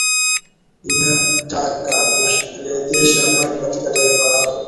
inataka kurejesha amani katika taifa lao